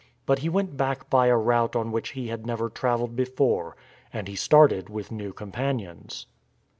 But he went back by a route on which he had never travelled before and he started with new companions.